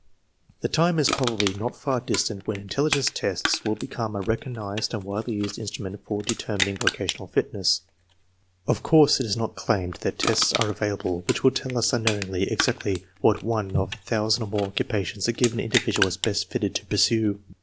The time is probably not far distant when intelligence tests will be come a recognized and widely used instrument for deter mining vocational fitness. Of course, it is not claimed that tests are available which will tell us unerringly exactly what one of a thousand or more occupations a given indi vidual is best fitted to pursue.